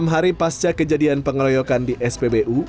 enam hari pasca kejadian pengeroyokan di spbu